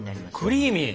クリーミー！